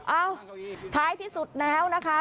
เอ้าท้ายที่สุดแล้วนะคะ